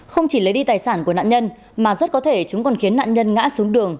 không chỉ lấy đi tài sản của nạn nhân mà rất có thể chúng còn khiến nạn nhân ngã xuống đường